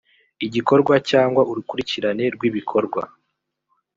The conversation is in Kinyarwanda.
igikorwa cyangwa urukurikirane rw ibikorwa